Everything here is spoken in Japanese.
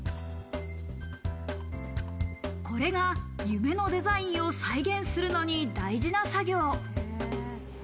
これが夢のデザインを再現するのに大事な作業。